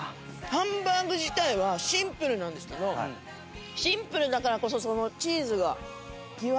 ハンバーグ自体はシンプルなんですけどシンプルだからこそチーズが際立って。